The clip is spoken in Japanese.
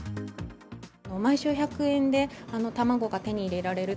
毎週１００円で卵が手に入れられる。